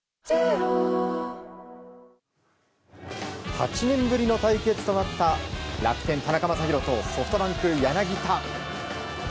８年ぶりの対決となった楽天、田中将大とソフトバンク、柳田。